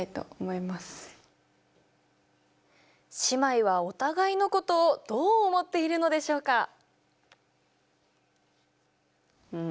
姉妹はお互いのことをどう思っているのでしょうか？